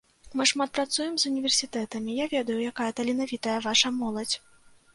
Мы шмат працуем з універсітэтамі, я ведаю, якая таленавітая ваша моладзь.